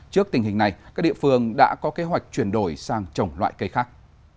trước tình hình này các địa phương đã có kế hoạch chuyển đổi sang trồng loại cây khác